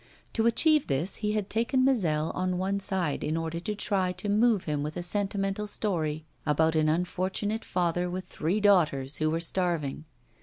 To achieve this he had taken Mazel on one side in order to try to move him with a sentimental story about an unfortunate father with three daughters, who were starving.